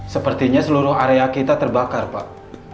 sepertinya seluruh area kita terbakar pak